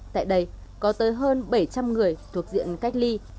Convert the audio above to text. tại đây có tới hơn bảy trăm linh người thuộc diện cách ly